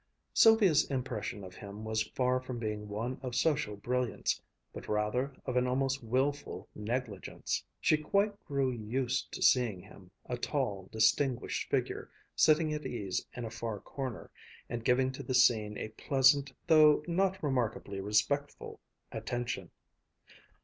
Sylvia's impression of him was far from being one of social brilliance, but rather of an almost wilful negligence. She quite grew used to seeing him, a tall, distinguished figure, sitting at ease in a far corner, and giving to the scene a pleasant though not remarkably respectful attention.